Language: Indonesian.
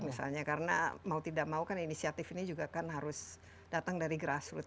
misalnya karena mau tidak mau kan inisiatif ini juga kan harus datang dari grassroot